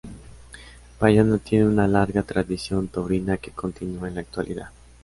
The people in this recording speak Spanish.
Bayona tiene una larga tradición taurina que continúa en la actualidad.